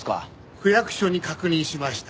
区役所に確認しました。